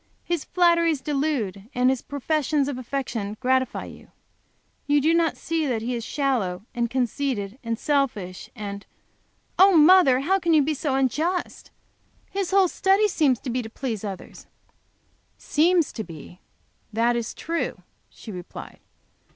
His flatteries delude, and his professions of affection gratify you. You do not see that he is shallow, and conceited, and selfish and " "Oh mother! How can you be so unjust? His whole study seems to be to please others." "Seems to be that is true," she replied.